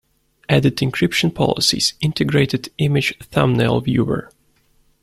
Added encryption policies, integrated image thumbnail viewer.